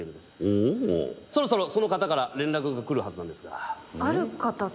おおそろそろその方から連絡がくるはずなんですがあっ！